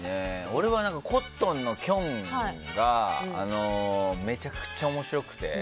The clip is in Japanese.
俺は、コットンのきょんがめちゃくちゃ面白くて。